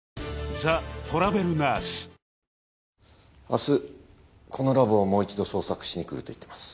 明日このラボをもう一度捜索しに来ると言ってます。